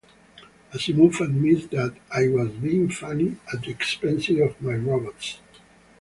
Asimov admits that "I was being funny at the expense of my robots".